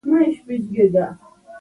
کارګرانو انګېزه لوړېږي.